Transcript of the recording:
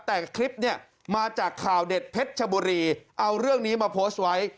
แต่คลิปเนี่ยมาจากข่าวเด็ดเพชรชบุรีเอาเรื่องนี้มาโพสต์ไว้